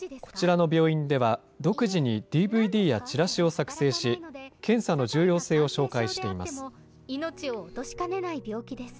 こちらの病院では独自にＤＶＤやチラシを作成し、検査の重要性を紹介しています。